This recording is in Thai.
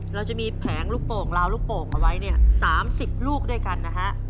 เราจะมีแผงลูกโป่งลาวลูกโป่งเอาไว้เนี่ย๓๐ลูกด้วยกันนะฮะ